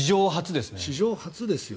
史上初ですよ。